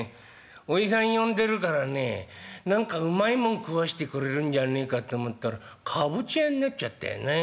おじさん呼んでるからね何かうまいもん食わしてくれるんじゃねえかって思ったらかぼちゃやになっちゃったよね。